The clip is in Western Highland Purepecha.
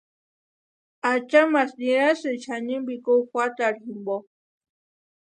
Achamasï niraxati xanini pʼikuni juatarhu jimpo.